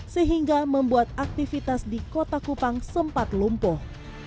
sehingga membuat aktivitas di kota kupang sempat lumpuh